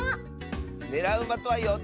ねらうまとは４つ。